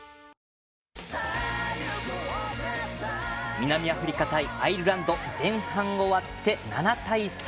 南アフリカ対アイルランド前半終わって７対３。